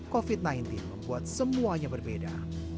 covid sembilan belas membuat semuanya berbeda